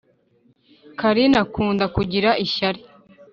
carine akunda kugira ishyari